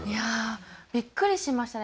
びっくりしましたね。